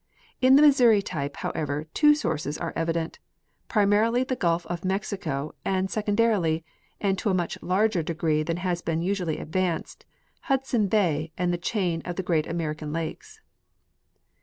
In the Missouri type, however, two sources are evident — primarih^ the gulf of Mexico, and secondarily, and to a much larger degree than has been usually advanced, Hudson bay and the chain ofgreat American lakes.